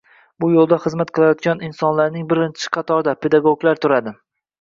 Bu yoʻlda xizmat qilayotgan insonlarning birinchi qatorida, pedagoglar turadi.